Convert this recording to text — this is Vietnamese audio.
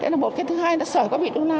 đấy là một cái thứ hai đã sởi qua bị đúng là